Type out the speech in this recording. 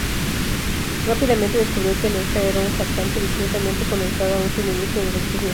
Rápidamente descubrió que Electra era una farsante discretamente conectada a un suministro de electricidad.